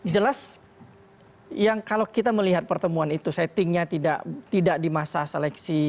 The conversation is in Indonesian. jelas yang kalau kita melihat pertemuan itu settingnya tidak di masa seleksi